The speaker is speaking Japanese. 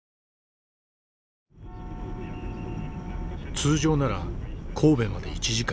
通常なら神戸まで１時間。